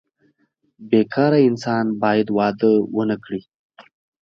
بې کاره انسان باید واده ونه کړي.